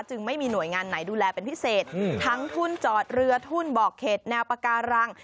ไม่มีหน่วยงานไหนดูแลเป็นพิเศษทั้งทุ่นจอดเรือทุ่นบอกเขตแนวปาการัง